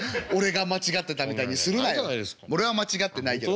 俺は間違ってないけど。